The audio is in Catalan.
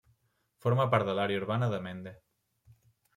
Forma part de l'Àrea urbana de Mende.